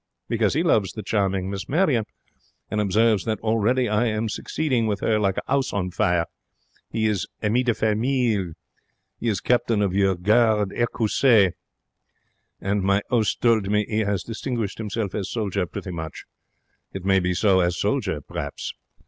Because he loves the charming Miss Marion, and observes that already I am succeeding with her like a 'ouse on fire. He is ami de famille. He is captain in your Garde Ecossais, and my 'ost told me 'e has distinguished himself as soldier pretty much. It may be so. As soldier, per'aps.